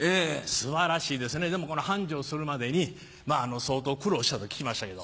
素晴らしいですねでもこの繁盛するまでに相当苦労したと聞きましたけど。